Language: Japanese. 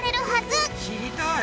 知りたい！